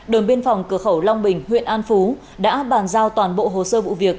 đồn biên phòng cửa khẩu long bình huyện an phú đã bàn giao toàn bộ hồ sơ vụ việc